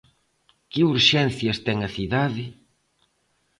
Que urxencias ten a cidade?